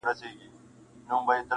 عشقه اول درد وروسته مرحم راکه-